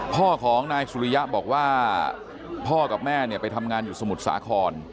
พ่อของนายสุริยะบอกว่าพ่อกับแม่เนี่ยไปทำงานอยู่สมุทรสาคร